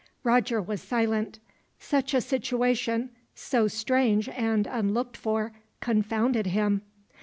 Roger was silent. Such a situation, so strange and unlooked for, confounded him.